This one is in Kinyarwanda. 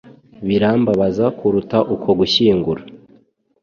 birambabaza kuruta uko gushyingura